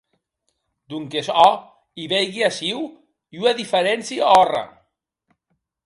Donques òc, i veigui aciu ua diferéncia òrra!